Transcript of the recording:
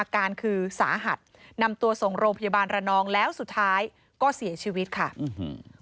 อาการคือสาหัสนำตัวส่งโรงพยาบาลระนองแล้วสุดท้ายก็เสียชีวิตค่ะอื้อหือ